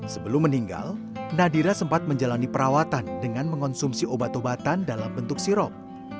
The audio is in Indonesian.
sebelum meninggal nadira sempat menjalani perawatan dengan mengonsumsi obat obatan dalam bentuk sirop